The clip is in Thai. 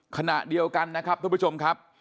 ขณะเดียวกันนะครับท่านผู้ชมครับ